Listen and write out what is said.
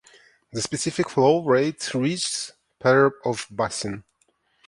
The specific flow rate reaches per of basin.